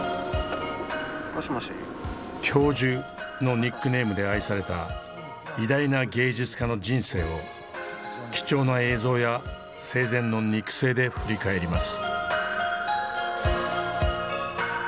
「教授」のニックネームで愛された偉大な芸術家の人生を貴重な映像や生前の肉声で振り返ります。